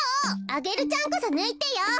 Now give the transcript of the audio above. アゲルちゃんこそぬいてよ。